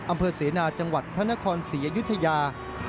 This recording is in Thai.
อำเภอเสนาจังหวัดพระนครศรีอยุธยา